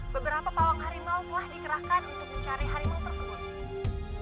beberapa pawang harimau telah dikerahkan untuk mencari harimau tersebut